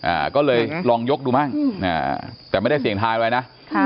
อ่าก็เลยลองยกดูมั่งอ่าแต่ไม่ได้เสี่ยงทายไว้นะค่ะ